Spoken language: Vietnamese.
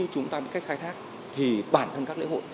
cách khai thác thì bản thân các lễ hội